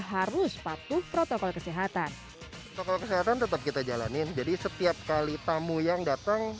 harus patuh protokol kesehatan protokol kesehatan tetap kita jalanin jadi setiap kali tamu yang datang